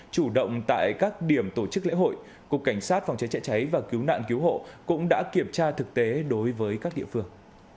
chủ động tại các điểm tổ chức lễ hội cục cảnh sát phòng cháy chữa cháy và cứu nạn cứu hộ cũng đã kiểm tra thực tế đối với các địa phương